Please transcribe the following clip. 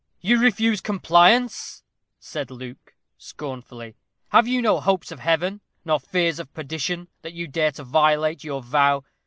"You refuse compliance," said Luke, scornfully. "Have you no hopes of Heaven, no fears of perdition, that you dare to violate your vow?